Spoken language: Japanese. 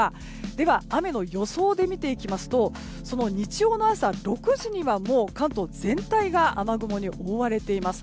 では、雨の予想で見ていきますとその日曜の朝６時にはもう関東全体が雨雲に覆われています。